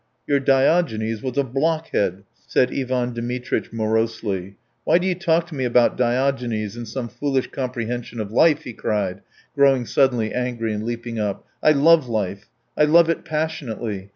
"Your Diogenes was a blockhead," said Ivan Dmitritch morosely. "Why do you talk to me about Diogenes and some foolish comprehension of life?" he cried, growing suddenly angry and leaping up. "I love life; I love it passionately.